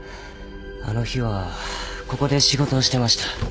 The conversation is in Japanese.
あの日はここで仕事をしてました。